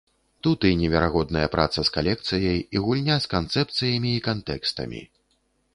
Тут і неверагодная праца з калекцыяй, і гульня з канцэпцыямі і кантэкстамі.